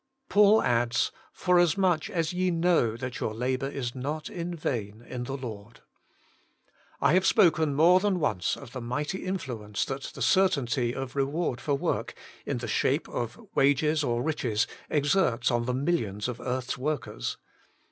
Paul adds :' Forasmuch as ye know that your labour is not vain in the Lord.' I have spoken more than once of the mighty influ ence that the certainty of reward for work, in the shape of wages or riches, exerts on the millions of earth's workers.